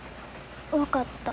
分かった。